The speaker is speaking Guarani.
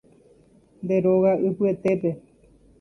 Nde róga ypyetépe